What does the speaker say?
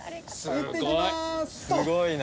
すごいな。